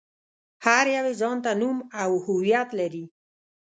هر يو يې ځان ته نوم او هويت لري.